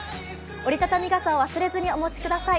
折りたたみ傘を忘れずにお持ちください。